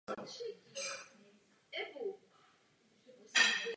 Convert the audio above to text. Salon Polignaců se stal známým jako útočiště avantgardní hudby.